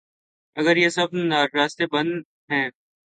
اگریہ سب راستے بند ہیں۔